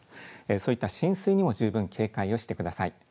そういった浸水にも十分警戒をしてください。